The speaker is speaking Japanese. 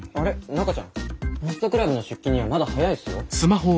中ちゃんホストクラブの出勤にはまだ早いっすよ？